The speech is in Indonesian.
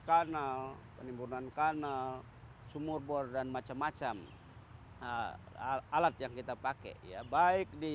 kanal penimbunan kanal sumur bor dan macam macam alat yang kita pakai ya baik di